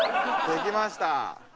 できました。